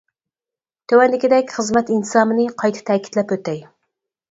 تۆۋەندىكىدەك خىزمەت ئىنتىزامىنى قايتا تەكىتلەپ ئۆتەي.